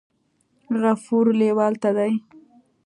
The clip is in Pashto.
غفور لیوال ته دې